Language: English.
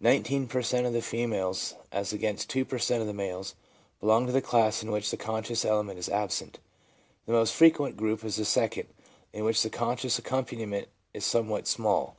Nineteen per cent, of the females, as against 2 per cent, of males, belong to the class in which the conscious element is absent. The most frequent group is the second, in which the conscious accompaniment is somewhat small.